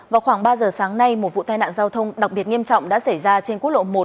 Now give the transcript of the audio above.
vào khoảng ba giờ sáng nay một vụ tai nạn giao thông đặc biệt nghiêm trọng đã xảy ra trên quốc lộ một